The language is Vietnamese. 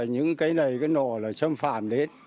những cây này cái nổ là xâm phạm đến